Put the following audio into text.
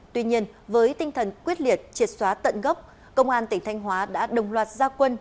tuy nhiên với tinh thần quyết liệt triệt xóa tận gốc công an tỉnh thanh hóa đã đồng loạt gia quân